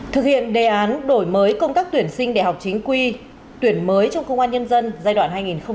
thực hiện đề án đổi mới công tác tuyển sinh đại học chính quy tuyển mới trong công an nhân dân giai đoạn hai nghìn một mươi sáu hai nghìn hai mươi năm